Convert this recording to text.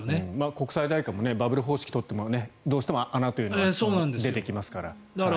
国際大会もバブル方式を取ってもどうしても穴というのは出てきますから。